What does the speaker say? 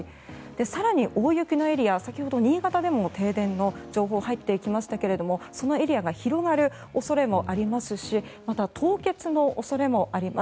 更に大雪のエリア先ほど新潟でも停電の情報が入ってきましたがそのエリアが広がる恐れもありますしまた、凍結の恐れもあります。